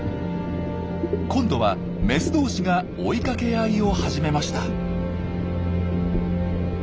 今度はメス同士が追いかけ合いを始めました。